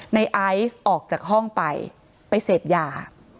ในไอซ์ออกจากห้องไปไปเสพยา